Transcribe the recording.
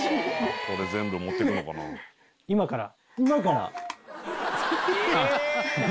今から？